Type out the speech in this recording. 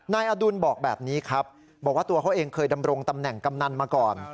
อดุลบอกแบบนี้ครับบอกว่าตัวเขาเองเคยดำรงตำแหน่งกำนันมาก่อน